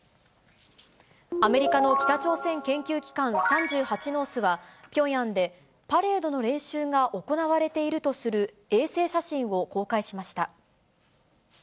アメリカの北朝鮮研究機関３８ノースは、ピョンヤンでパレードの練習が行われているとする衛星写真を公開しました。